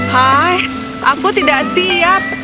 hai aku tidak siap